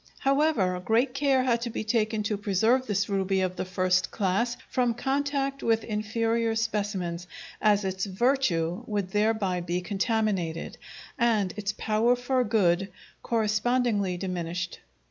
However, great care had to be taken to preserve this ruby of the first class from contact with inferior specimens, as its virtue would thereby be contaminated, and its power for good correspondingly diminished.